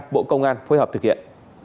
bộ công an phối hợp thực hiện